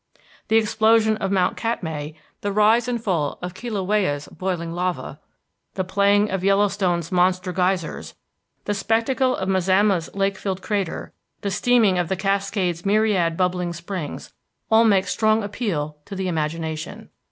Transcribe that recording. The explosion of Mount Katmai, the rise and fall of Kilauea's boiling lava, the playing of Yellowstone's monster geysers, the spectacle of Mazama's lake filled crater, the steaming of the Cascade's myriad bubbling springs, all make strong appeal to the imagination.